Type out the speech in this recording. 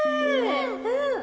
うん！